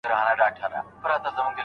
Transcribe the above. که ماخذونه سم نه وي نو مقاله به رد سي.